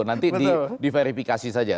nanti diverifikasi saja